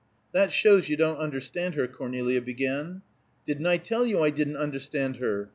"That shows you don't understand her," Cornelia began. "Didn't I tell you I didn't understand her?